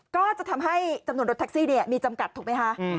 ก็จะทำให้จำนวนรถแท็กซี่มีจำกัดถูกไหมคะ